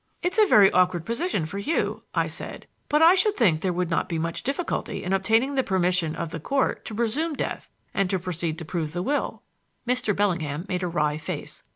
"It's a very awkward position for you," I said, "but I should think there will not be much difficulty in obtaining the permission of the Court to presume death and to proceed to prove the will." Mr. Bellingham made a wry face.